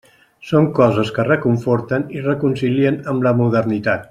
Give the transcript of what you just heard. Són coses que reconforten i reconcilien amb la modernitat.